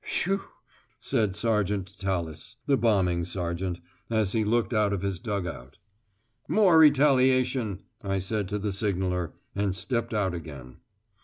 "Phew," said Sergeant Tallis, the bombing sergeant, as he looked out of his dug out. "More retaliation," I said to the signaller, and stepped out again.